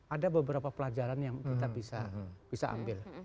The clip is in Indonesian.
ada beberapa pelajaran yang kita bisa ambil